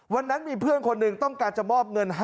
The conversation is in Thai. วันนั้นมีเพื่อนคนหนึ่งต้องการจะมอบเงิน๕๐๐